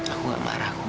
aku gak marah kok